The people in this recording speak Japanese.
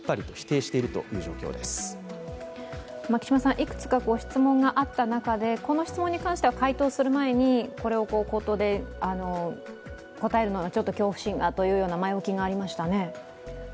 いくつか質問があった中でこの質問に関しては回答する前にこれを口頭で答えるのはちょっと恐怖心がという前置きがありましたね。